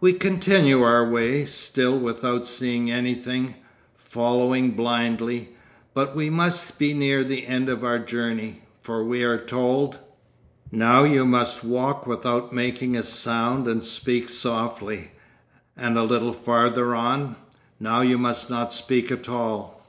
We continue our way, still without seeing anything, following blindly. But we must be near the end of our journey, for we are told: "Now you must walk without making a sound and speak softly," and a little farther on, "Now you must not speak at all."